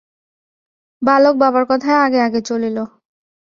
বালক বাবার কথায় আগে আগে চলিল।